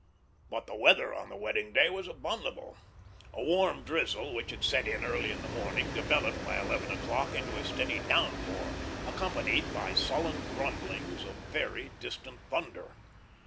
But the weather on the wedding day was abominable. A warm drizzle, which had set in early in the morning, developed by eleven o'clock into a steady downpour, accompanied by sullen grumblings of very distant thunder.